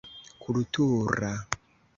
kultura